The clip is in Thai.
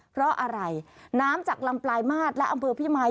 เพราะอะไรน้ำจากลำปลายมาตรและอำเภอพี่มาย